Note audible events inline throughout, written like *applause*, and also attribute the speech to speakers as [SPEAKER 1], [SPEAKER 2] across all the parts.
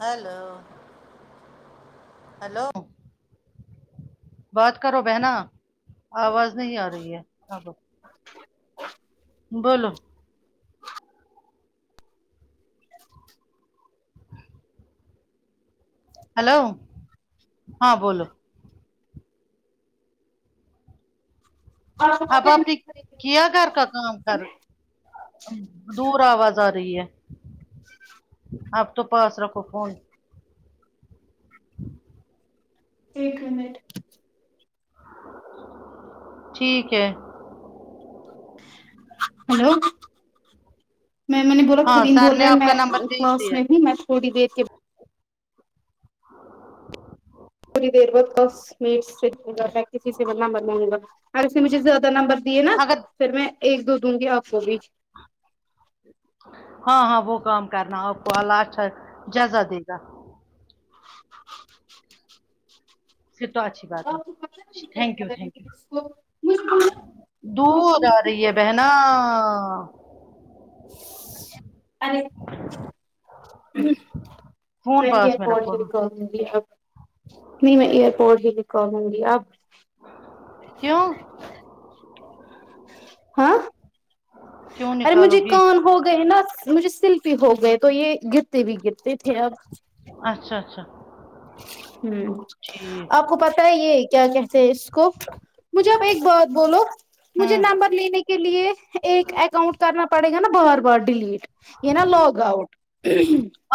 [SPEAKER 1] hello hello بات کرو بہنا آواز نہیں آ رہی ہے بولو ہیلو ہاں بولو اب آپ ٹھیک کیا گھر کا کام کر دور آواز آرہی ہے آب تو پاس رکھو فون
[SPEAKER 2] ایک منٹ
[SPEAKER 1] ٹھیک ہے
[SPEAKER 2] ہیلو میں مینے بولا
[SPEAKER 1] ہاں
[SPEAKER 2] خدیم
[SPEAKER 1] سر
[SPEAKER 2] بول رہا
[SPEAKER 1] نے
[SPEAKER 2] ہے
[SPEAKER 1] آپ کا
[SPEAKER 2] میں
[SPEAKER 1] نمبر دیکھ
[SPEAKER 2] کلاس
[SPEAKER 1] دیا
[SPEAKER 2] میں تھی میں تھوڑی دیر کے ٹھوڈی دیر بعد دس منٹ سے *unintelligible* اگر اس نے مجھے زیادہ نمبر دیے نا
[SPEAKER 1] اگر
[SPEAKER 2] پھر میں ایک دو دوں گی آپ کو بھی
[SPEAKER 1] ہاں ہاں وہ کام کرنا آپ کو اللہ اچھا جزا دے گا
[SPEAKER 2] *inaudible*
[SPEAKER 1] پھر تو اچھی بات ہے تھینک یو تھینک یو دور آ رہی ہے بہنااا
[SPEAKER 2] اآئیے *unintelligible*
[SPEAKER 1] فون
[SPEAKER 2] مکے
[SPEAKER 1] پاس میں
[SPEAKER 2] کوڑ
[SPEAKER 1] رکھو
[SPEAKER 2] کو اب نہیں میں ایئر پورٹ بھی نکالوں گی اب
[SPEAKER 1] کیوں
[SPEAKER 2] ہاں
[SPEAKER 1] کیوں
[SPEAKER 2] ارے
[SPEAKER 1] نکالو
[SPEAKER 2] مجھے
[SPEAKER 1] گی
[SPEAKER 2] کال ہو گئے نا مجھے شلپی ہو گئے تو یہ گرتے بھی گرتے تھے اب
[SPEAKER 1] اچھا اچھا
[SPEAKER 2] ہمم
[SPEAKER 1] ٹھیک
[SPEAKER 2] آپ کو پتا ہے یہ کیا کہتے ہیں اس کو مجھے آپ ایک بات بولو مجھے
[SPEAKER 1] ہوں
[SPEAKER 2] نمبر لینے کے لیے ایک اکاؤنٹ کرنا پڑے گا نا بار بار ڈیلیٹ یہ نا لوگ اؤٹ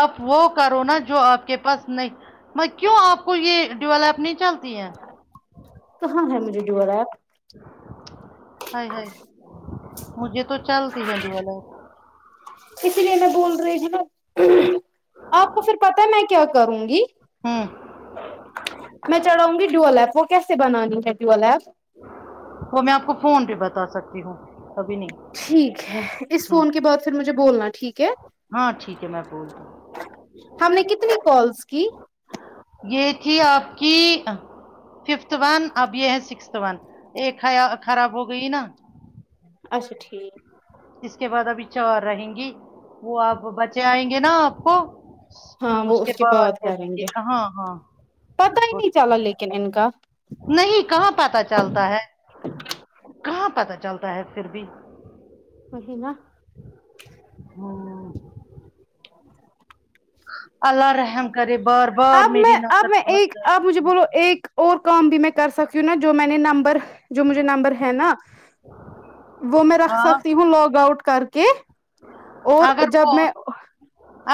[SPEAKER 1] آپ وہ کرو نا جو آپ کے پاس نہیں میں کیوں آپ کو یہ ڈیول ایپ نہیں چلتی ہے
[SPEAKER 2] کہاں ہے مجھے ڈیول ایپ
[SPEAKER 1] ہائے ہائے مجھے تو چلتی ڈیول ایپ
[SPEAKER 2] اسی لیے میں بول رہی ہ نا آپ کو پھر پتا میں کیا کروں گی
[SPEAKER 1] ہوں
[SPEAKER 2] میں چلایوں گی گی ڈیول ایپ کیسے بنانی ہے ڈیول ایپ
[SPEAKER 1] وہ میں آپ کو فون پے بتا سکتی ہوں ابھی نہیں
[SPEAKER 2] ٹھیک ہے اس
[SPEAKER 1] ہوں
[SPEAKER 2] فون کے بعد پھر مجھے بولنا ٹھیک ہے
[SPEAKER 1] ہاں ٹھیک ہے میں بولتا
[SPEAKER 2] ہم نے کتنی کالز کی
[SPEAKER 1] یہ تھی آپ کی ففتھ ون اب یہ ہے سکس س ون ایک خراب ہو گئی نہ
[SPEAKER 2] اچھا ٹھیک
[SPEAKER 1] اس کے بعد ابھی چار رہیں گی وہ آپ بچے آئیں گے نہ آپ کو
[SPEAKER 2] ہاں وہ اس کے بعد کریں گے پتا ہی نہیں چلا لیکن ان کا
[SPEAKER 1] نہیں کہاں پتا چلتا ہے کہاں پتا چلتا ہے پھر بھی
[SPEAKER 2] وہی نا
[SPEAKER 1] ہوں اللہ رحم کرے بار بار
[SPEAKER 2] اب میں
[SPEAKER 1] میری
[SPEAKER 2] اب
[SPEAKER 1] نفرت
[SPEAKER 2] میں ایک
[SPEAKER 1] پہنجاتی
[SPEAKER 2] آپ مجھے بولو ایک اور کام بھی میں کر سکتی ہوں نا جو میں نے نمبر جو مجھے نمبر ہے نہ وہ میں رکھ
[SPEAKER 1] ہاں
[SPEAKER 2] سکتی ہوں لاگ آؤٹ کر کے اور
[SPEAKER 1] اگر
[SPEAKER 2] جب
[SPEAKER 1] وہ
[SPEAKER 2] میں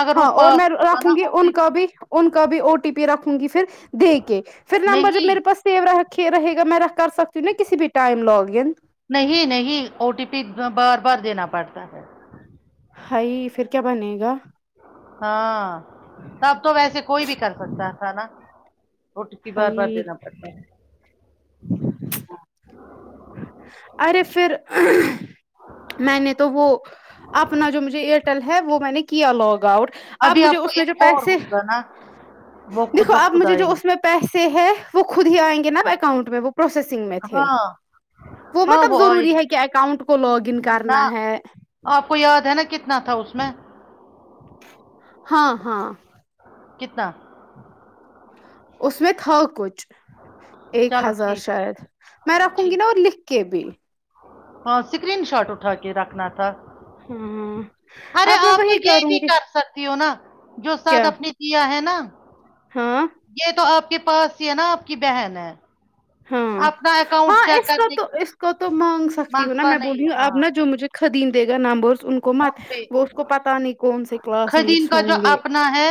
[SPEAKER 1] اگر وہ
[SPEAKER 2] ہاں اور
[SPEAKER 1] پاس
[SPEAKER 2] میں
[SPEAKER 1] ہوگا
[SPEAKER 2] رکھوں
[SPEAKER 1] نا
[SPEAKER 2] گی
[SPEAKER 1] او
[SPEAKER 2] ان
[SPEAKER 1] ٹی
[SPEAKER 2] کا بھی ان کا بھی او ٹی پی رکھوں گی پھر دے کے پھر
[SPEAKER 1] پی،
[SPEAKER 2] نمبر جب
[SPEAKER 1] نہیں
[SPEAKER 2] میرے پاس گا میں ر کر سکتی ہوں نا کسی بھی ٹائم لاگ ان
[SPEAKER 1] نہیں نہیں او ٹی پی بار بار دینا پڑتا ہے
[SPEAKER 2] ہائی پھر کیا بنے گا
[SPEAKER 1] ہاں تب تو ویسے کوئی بھی کر سکتا تھا نہ و ٹی پی بار بار
[SPEAKER 2] ہائی
[SPEAKER 1] دینا پڑتا ہے
[SPEAKER 2] *inaudible* ارے پھر میں نے تو وہ اپنا جو مجھے ایئرٹیل ہے وہ میں نے کیا لاگ آؤٹ آپ
[SPEAKER 1] ابھی
[SPEAKER 2] مجھے
[SPEAKER 1] کو
[SPEAKER 2] اس میں
[SPEAKER 1] ایک اور
[SPEAKER 2] پیسے
[SPEAKER 1] ہوگا نا وہ خود
[SPEAKER 2] دیکھو آب
[SPEAKER 1] بخود
[SPEAKER 2] مجھے
[SPEAKER 1] آئیں
[SPEAKER 2] جو
[SPEAKER 1] گی
[SPEAKER 2] اس میں پیسے ہے وہ خود ہی آئیں گے نہ آب اکاؤنٹ میں وہ پروسیسنگ میں تھے
[SPEAKER 1] ہاں
[SPEAKER 2] وہ
[SPEAKER 1] ہاں
[SPEAKER 2] مطلب
[SPEAKER 1] آئیں
[SPEAKER 2] ضروری
[SPEAKER 1] گی
[SPEAKER 2] ہے کہ اکاؤنٹ کو لاگ ان
[SPEAKER 1] نہ
[SPEAKER 2] کرنا ہے
[SPEAKER 1] آپ کو یاد ہے نہ کتنا تھا اس میں
[SPEAKER 2] ہاں ہاں
[SPEAKER 1] کتنا
[SPEAKER 2] اس میں تھا کچھ ایک
[SPEAKER 1] چلو
[SPEAKER 2] ہزار
[SPEAKER 1] ٹھیک
[SPEAKER 2] شاید میں رکھوں گی
[SPEAKER 1] ٹھیک
[SPEAKER 2] نہ اور لکھ کے بھی
[SPEAKER 1] ہاں اسکرین شاٹ اٹھا کے رکھنا تھا
[SPEAKER 2] ہمممم
[SPEAKER 1] ارے آپ تو یہ بھی کر سکتی ہو نہ جو ساتھ
[SPEAKER 2] کیا
[SPEAKER 1] اپ نے کیا ہے نہ
[SPEAKER 2] ہاں
[SPEAKER 1] یہ تو آپ کے پاس ہی ہے نہ آپ کی بہن ہے
[SPEAKER 2] ہاں
[SPEAKER 1] اپنا اکاؤنٹ
[SPEAKER 2] ہاں
[SPEAKER 1] چیک
[SPEAKER 2] اس کا
[SPEAKER 1] کرنے کی
[SPEAKER 2] تو اس تو مانگ سکتی ہو نہ میں بولی ہوں اب نہ جو مجھے قدیم دیگا نمبرز ان کو مت وہ اس کو پتا نہیں کون سے کلاس
[SPEAKER 1] قدیم
[SPEAKER 2] میٹس
[SPEAKER 1] کا جو
[SPEAKER 2] ہوں گے
[SPEAKER 1] اپنا ہے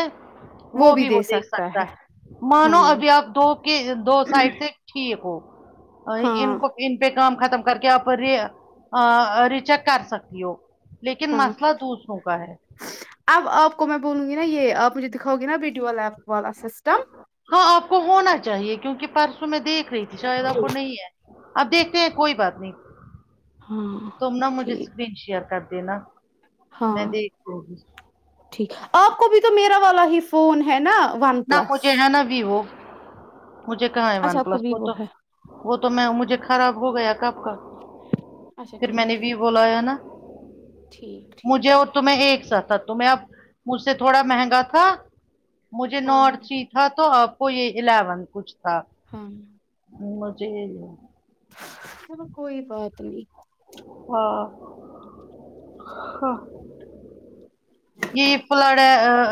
[SPEAKER 1] وہ بھی وہ دیکھ سکتا ہے
[SPEAKER 2] ہاں
[SPEAKER 1] مانو ابھی آپ کہ دو سائڈ سے ٹھیک ہو ان
[SPEAKER 2] ہاں
[SPEAKER 1] کو ان پہ کام ختم کر کے آپ ریچیک کر سکتی ہو لیکن
[SPEAKER 2] ہاں
[SPEAKER 1] مسئلہ دوسروں کا ہے
[SPEAKER 2] اب آپ کو میں بولوں گی نا یہ آپ مجھے دکھاؤ گی نہ ویڈیو والا اپپ
[SPEAKER 1] ہاں آپ کو ہونا چاہیے کیونکہ پرسوں میں دیکھ رہی تھی شاید آپ کو نہیں ہے اب دیکھتے ہیں کوئی بات نہیں
[SPEAKER 2] ہاں
[SPEAKER 1] تم نہ مجھے
[SPEAKER 2] ٹھیک
[SPEAKER 1] پھر شیر کردینا
[SPEAKER 2] ہاں
[SPEAKER 1] میں دکھونگی
[SPEAKER 2] ٹھیک آپ کو بھی تو میرا والا ہی فون ہے نہ
[SPEAKER 1] نہ مجھے ہے نہ بھی وہ مجھے کہاں ہے ون
[SPEAKER 2] اچھا آپ کو
[SPEAKER 1] پلس وہ
[SPEAKER 2] ویوو
[SPEAKER 1] تو
[SPEAKER 2] ہے
[SPEAKER 1] وہ تو میں مجھے خراب ہو گیا کب
[SPEAKER 2] اچھا
[SPEAKER 1] پھر میں
[SPEAKER 2] ٹھیک
[SPEAKER 1] نے بھی
[SPEAKER 2] ٹھیک
[SPEAKER 1] بولایا ہے نا
[SPEAKER 2] ٹھیک ٹھیک
[SPEAKER 1] میں ایک سا تھا تمہیں اب مجھ سے تھوڑا مہنگا تھا
[SPEAKER 2] ہاں
[SPEAKER 1] نار
[SPEAKER 2] ہاں
[SPEAKER 1] تھری تھا تو آپ کو یہ الیون کچھ تھا
[SPEAKER 2] ہاں
[SPEAKER 1] مجھے
[SPEAKER 2] چلو کوئی بات نہیں
[SPEAKER 1] ہاں ہاں یہ فلڈ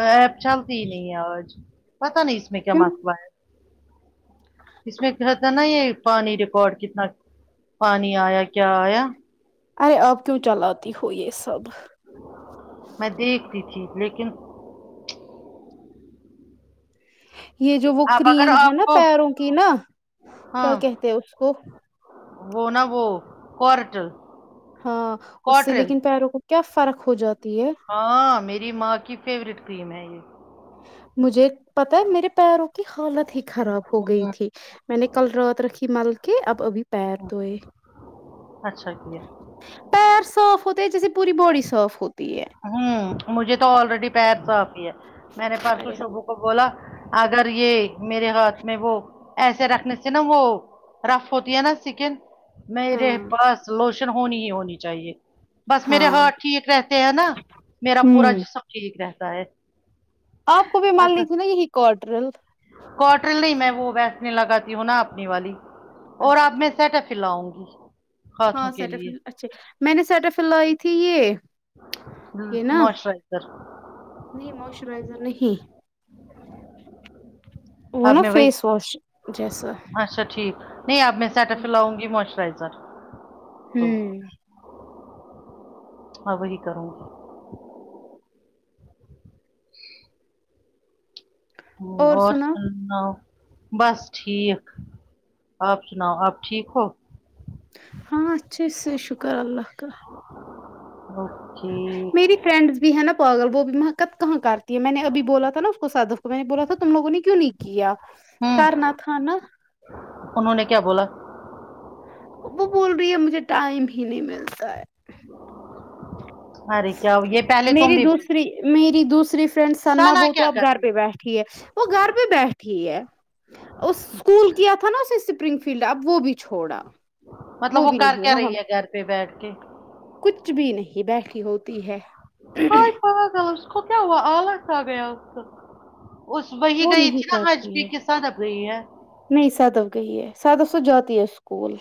[SPEAKER 1] ایپ چلتی ہی نہیں ہے آج پتا نہیں اس میں کیا
[SPEAKER 2] کیوں
[SPEAKER 1] مسئلہ ہے اس میں کہ تھا نا یہ پانی ریکارڈ کتنا پانی آیا کیا آیا
[SPEAKER 2] ارے آپ کیوں چلاتی ہو یہ سب
[SPEAKER 1] میں دیکھتی تھی لیکن
[SPEAKER 2] یہ جو وہ
[SPEAKER 1] آپ اگر
[SPEAKER 2] کریم ہے
[SPEAKER 1] آپ
[SPEAKER 2] نا
[SPEAKER 1] کو
[SPEAKER 2] پیروں کی نا کیا
[SPEAKER 1] ہاں
[SPEAKER 2] کہتے اس کو
[SPEAKER 1] وہ نا وہ کارٹل
[SPEAKER 2] ہاں اس سے لیکن پیروں کو کیا فرق ہو جاتی ہے
[SPEAKER 1] ہاں میری ماں کی فیوریٹ کریم ہے یہ
[SPEAKER 2] مجھے پتا ہے میرے پیروں کی حالت ہی خراب ہو گئی تھی میں نے کل رات رکھی مل کے اب ابھی پیر دھوئے
[SPEAKER 1] اچھا کیا
[SPEAKER 2] پیر صاف ہوتے ہے جیسے پوری باڈی صاف ہوتی ہے
[SPEAKER 1] ہوں مجھے تو آلریڈی پیر صاف ہی ہے میں نے پرسوں
[SPEAKER 2] ارے
[SPEAKER 1] شبو کو بولا اگر یہ میرے ہاتھ میں وہ ایسے رکھنے سے نہ وہ رف ہوتی ہے نا سکن
[SPEAKER 2] ہاں
[SPEAKER 1] میرے پاس لوشن ہونی ہی ہونی چاہیے بس میرے
[SPEAKER 2] ہاں
[SPEAKER 1] ہاتھ ٹھیک ہے اس سے ہے نا میرا پورا
[SPEAKER 2] ہوں
[SPEAKER 1] جسم ٹھیک رہتا ہے
[SPEAKER 2] آپ کو بھی مان لی
[SPEAKER 1] بس
[SPEAKER 2] تھی نا یہی کوٹرل
[SPEAKER 1] کوٹرل نہیں میں وہ ویسلن لگاتی ہوں نا اپنی والی اور
[SPEAKER 2] اچھا
[SPEAKER 1] آپ میں
[SPEAKER 2] ٹھیک
[SPEAKER 1] سیٹف پھر لاؤں گی ہاتھوں
[SPEAKER 2] ہاں
[SPEAKER 1] کے
[SPEAKER 2] سیٹف
[SPEAKER 1] لیے
[SPEAKER 2] اچھے میں نے سیٹف لائی تھی یہ
[SPEAKER 1] ہوں
[SPEAKER 2] یہ نا
[SPEAKER 1] موسچرائزر
[SPEAKER 2] نہیں موسچرائزر نہیں وہ
[SPEAKER 1] آب
[SPEAKER 2] نا
[SPEAKER 1] میں وہی
[SPEAKER 2] فیس واش جیسا
[SPEAKER 1] اچھا ٹھیک نہیں اب میں سیٹف فلل لاؤں گی موئسچرائزر تو
[SPEAKER 2] ہوں
[SPEAKER 1] ہان وہی کروں گی ہوں اور سناؤ بس ٹھیک آپ سناؤ آپ ٹھیک ہو
[SPEAKER 2] ہاں اچھا سے شکر اللہ کا
[SPEAKER 1] *inaudible*
[SPEAKER 2] میری فرینڈس بھی ہے نا پاگل وہ بھی میکپ کہاں کر تی میں نے ابھی بولا تھا نا اس کو صدف کو میں نے بولا تھا تم لوگوں نے کیوں نہیں کیا
[SPEAKER 1] ہوں
[SPEAKER 2] کرنا تھا نا
[SPEAKER 1] انہوں نے کیا بولا
[SPEAKER 2] اب وہ بول رہی ہے مجھے ٹائم ہی نہیں ملتا ہے
[SPEAKER 1] ارے کیا یہ پہلے تم
[SPEAKER 2] میری
[SPEAKER 1] بھی ب
[SPEAKER 2] دوسری میری دوسری فرینڈ سنا وہ تو
[SPEAKER 1] کیا
[SPEAKER 2] اب گھر
[SPEAKER 1] کرتی
[SPEAKER 2] پہ بیٹھی ہے وہ گھر پہ بیٹھی ہے اس اسکول کیا تھا نا اسے اسپرنگ فیلڈ اپ وہ بھی چھوڑا
[SPEAKER 1] مطلب وہ
[SPEAKER 2] بھی
[SPEAKER 1] کر
[SPEAKER 2] نہیں
[SPEAKER 1] کیا
[SPEAKER 2] وہاں
[SPEAKER 1] رہی ہے گھر پہ بیٹھ کے
[SPEAKER 2] کچھ بھی نہیں بیٹھی ہوتی ہے
[SPEAKER 1] ہائے پاگل اس کو کیا ہوا آلس آگیا اسکو اس وہی
[SPEAKER 2] وہ
[SPEAKER 1] گئی تھی
[SPEAKER 2] نہیں
[SPEAKER 1] نا آج
[SPEAKER 2] کرتی ہے
[SPEAKER 1] بھی کس ساتھ اب رہی ہے
[SPEAKER 2] نہیں صدف گئی ہے صدف تو جاتی ہے اسکول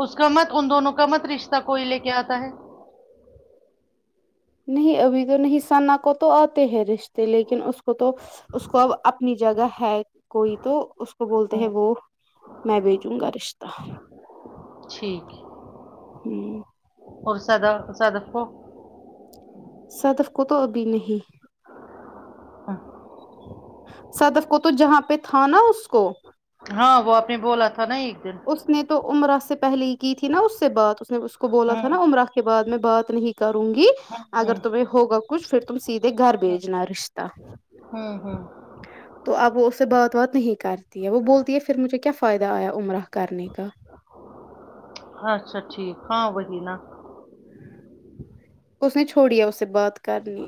[SPEAKER 1] اس کا مت ان دونوں کا مت رشتہ کوئی لے کے آتا ہے
[SPEAKER 2] نہیں ابھی تو نہیں ثنا کو تو آتے ہیں رشتے لیکن اس کو تو اس کو اب اپنی جگہ ہے کوئی تو اس کو بولتے ہیں
[SPEAKER 1] ہوں
[SPEAKER 2] وہ میں بھیجوں گا رشتہ
[SPEAKER 1] ٹھیک ہے
[SPEAKER 2] ہی
[SPEAKER 1] اور سدا صدف کو
[SPEAKER 2] صدف کو تو ابھی نہیں
[SPEAKER 1] *inaudible*
[SPEAKER 2] صدف کو تو جہاں پہ تھا نا اس کو
[SPEAKER 1] ہاں وہ آپ نے بولا تھا نہ یہ
[SPEAKER 2] اس نے تو عمرہ سے پہلے ہی کی تھی نا اس سے بات اس نے اس کو بولا تھا
[SPEAKER 1] ہوں
[SPEAKER 2] نا عمرہ کے بعد میں بات نہیں کروں گی اگر
[SPEAKER 1] ہوں
[SPEAKER 2] تمہیں ہوگا کچھ پھر تم سیدھے گھر بھیجنا رشتہ
[SPEAKER 1] ہوں ہوں
[SPEAKER 2] تو اب وہ اس سے بات وات نہیں کررتی ہے وہ بولتی ہے پھر مجھے کیا فائدہ آیا عمرہ کرنے کا
[SPEAKER 1] اچھا ٹھیک ہاں وہی نا
[SPEAKER 2] اس نے چھوڑیا اس سے بات کرنی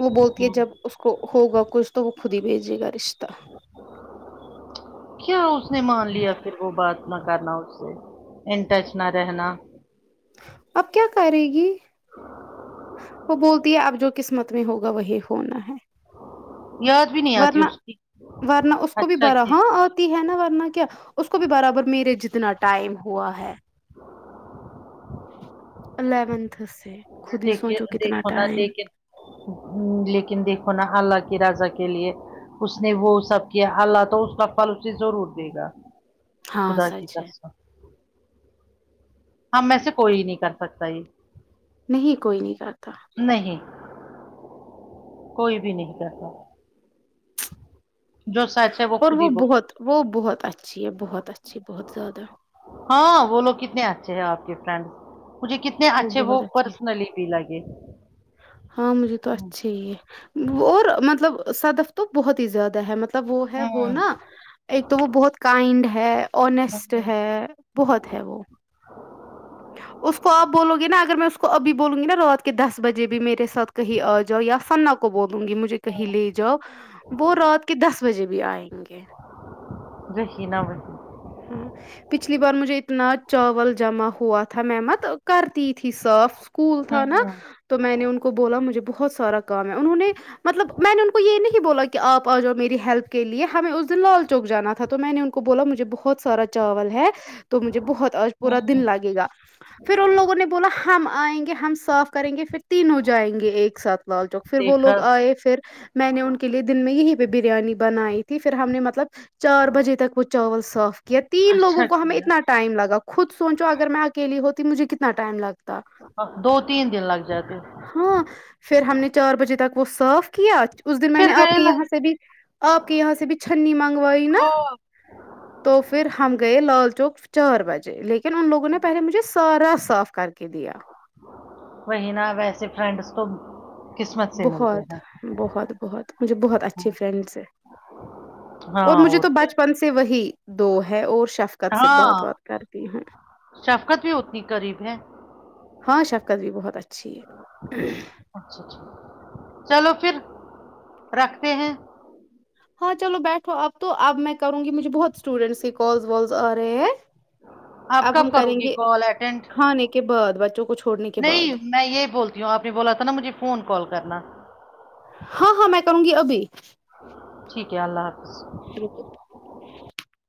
[SPEAKER 2] وہ بولتی ہے
[SPEAKER 1] ہوں
[SPEAKER 2] جب اس کو ہوگا کچھ تو وہ خود ہی بھیجے گا رشتہ
[SPEAKER 1] کیا اس نے مان لیا پھر وہ بات نہ کرنا اس سے ان ٹچ نہ رہنا
[SPEAKER 2] اب کیا کرے گی وہ بولتی ہے آپ جو قسمت میں ہوگا وہی ہونا ہے
[SPEAKER 1] یا
[SPEAKER 2] ورنہ ورنہ اس کو بھی
[SPEAKER 1] اچھا
[SPEAKER 2] بھرا
[SPEAKER 1] کہ
[SPEAKER 2] ہاں اور ہے نا ورنہ کیا اس کو بھی برابر میرے جتنا ٹائم ہوا ہے الیونتھ سے خود ہی سوچو کتنا ٹائم
[SPEAKER 1] امم لیکن دیکھو نا اللہ کے رضا کے لیے اس نے وہ سب کیا اللہ تو اس کا پھل اسے ضرور دے گا
[SPEAKER 2] ہاں
[SPEAKER 1] خدا کی
[SPEAKER 2] سچ ہے
[SPEAKER 1] قسم ہم میں سے کوئی نہیں کر سکتا یہ
[SPEAKER 2] نہیں کوئی نہیں کرتا
[SPEAKER 1] نہیں کوئی بھی نہیں کرتا جو سچ ہے
[SPEAKER 2] اور
[SPEAKER 1] خود
[SPEAKER 2] وہ
[SPEAKER 1] ہی بول
[SPEAKER 2] بہت وہ بہت اچھی ہے بہت اچھی بہت زیادہ
[SPEAKER 1] ہاں وہ لوگ کتنے اچھے ہیں آپ کے فرینڈس مجھے کتنے اچھے وہ
[SPEAKER 2] بہت اچھی ہے
[SPEAKER 1] پرسنلی بھی لگے
[SPEAKER 2] ہاں مجھے تو اچھا ہی ہے اور مطلب صدف تو بہت ہی زیادہ ہے مطلب وہ ہے وہ
[SPEAKER 1] ہوں
[SPEAKER 2] نا ایک تو وہ بہت کائنڈ ہے انیسٹ
[SPEAKER 1] ہوں
[SPEAKER 2] ہے بہت ہے وہ اس کو آپ بولو گے نا اگر میں اس کو ابھی بولوں گی نا رات کے دس بجے بھی میرے ساتھ کہیں آ جاؤ یا سنا کو کو بولوں گی مجھے کہیں لے جاؤ وہ رات کے دس بجے بھی آئیں گے
[SPEAKER 1] *unintelligible*
[SPEAKER 2] امم پچھلی بار مجھے اتنا چاول جمع ہوا تھا میں مت کرتی تھی صاف اسکول تھا نا
[SPEAKER 1] ہوں
[SPEAKER 2] تو میں نے ان کو بولا مجھے بہت سارا کام ہے انہوں نے مطلب میں نے ان کو یہ نہیں بولا کہ آپ آ جاؤ میری ہیلپ کے لیے ہمیں اس دن لال چوک جانا تھا تو میں نے ان کو کو بولا مجھے بہت سارا چاول ہے تو مجھے بہت آج پورا دن
[SPEAKER 1] ہوں
[SPEAKER 2] لگے گا پھر ان لوگوں نے بولا ہم آئیں گے ہم صاف کریں گے پھر تینوں جائیں گے ایک ساتھ لال چوک پھر وہ
[SPEAKER 1] دیکھا
[SPEAKER 2] لوگ آئے پھر میں نے ان کے لیے دن میں یہی ہہ بریانی بنائی تھی پھر ہم نے مطلب چار بجے تک وہ چاول صاف کیا تین لوگوں
[SPEAKER 1] اچھا
[SPEAKER 2] کو ہمیں
[SPEAKER 1] کیا
[SPEAKER 2] اتنا ٹائم لگا خود سوچو اگر میں اکیلی ہوتی مجھے کتنا ٹائم لگا
[SPEAKER 1] دو تین دن لگ جاتے
[SPEAKER 2] ہاں پھر ہم نے چار بجے تک وہ صاف کیا اس دن میں نے
[SPEAKER 1] پھر
[SPEAKER 2] آپ
[SPEAKER 1] گئے
[SPEAKER 2] کے یہاں
[SPEAKER 1] لوگ
[SPEAKER 2] سے بھی آپ کے یہاں سے بھی چھنی منگوائی نا
[SPEAKER 1] ہاں
[SPEAKER 2] تو پھر ہم گئے لال چوک چار بجے لیکن ان لوگوں نے پہلے مجھے سارا صاف کر کے دیا
[SPEAKER 1] وہی نا ویسے فرینڈس تو قسمت سے ملتے
[SPEAKER 2] بہت
[SPEAKER 1] ہیں
[SPEAKER 2] بہت بہت مجھے بہت اچھے فرینڈس ہے
[SPEAKER 1] ہاں
[SPEAKER 2] اور مجھے تو
[SPEAKER 1] کیا
[SPEAKER 2] بچپن سے وہی دو ہے اور شفقت سے بات
[SPEAKER 1] ہاں
[SPEAKER 2] وات کرتی ہوں
[SPEAKER 1] شفقت بھی اتنی قریب ہے
[SPEAKER 2] ہاں شفقت بھی بہت اچھی ہے
[SPEAKER 1] اچھا اچھا چلو پھر رکھتے ہیں
[SPEAKER 2] ہاں چلو بیٹھو اب تو اب میں کروں گی مجھے بہت اسٹوڈینٹس کے کالز والز آ رہے ہیں
[SPEAKER 1] آپ
[SPEAKER 2] اب ہم
[SPEAKER 1] کب کرو
[SPEAKER 2] کریں
[SPEAKER 1] گی
[SPEAKER 2] گے
[SPEAKER 1] کال اٹینڈ
[SPEAKER 2] کھانے کے بعد بچوں کو چھوڑنے کے بعد
[SPEAKER 1] جو آپ نے بولا تھا نا مجھے فون کال کرنا
[SPEAKER 2] ہاں ہاں میں کروں گی ابھی
[SPEAKER 1] ٹھیک ہے اللہ حافظ
[SPEAKER 2] روکو